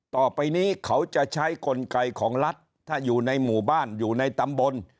ต่อไปนี้เขาจะใช้กลไกของรัฐถ้าอยู่ในหมู่บ้านอยู่ในตำบล